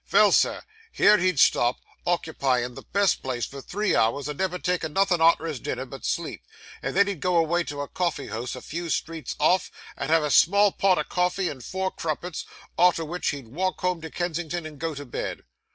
Vell, Sir, here he'd stop, occupyin' the best place for three hours, and never takin' nothin' arter his dinner, but sleep, and then he'd go away to a coffee house a few streets off, and have a small pot o' coffee and four crumpets, arter wich he'd walk home to Kensington and go to bed.